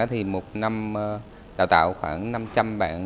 thì một năm đào tạo khoảng năm trăm linh bạn